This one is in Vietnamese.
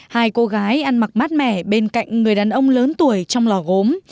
hai cô gái ăn mặc mát mẻ bên cạnh người đàn ông lớn tuổi trong lò gốm